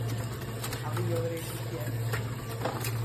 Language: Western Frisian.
Hawwe jo reservearre?